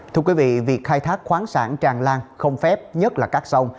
thưa quý vị việc khai thác khoáng sản tràn lan không phép nhất là các sông